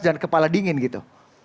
dan kepala dingin gitu